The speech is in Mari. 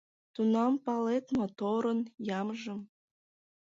Тунам палет моторын ямжым —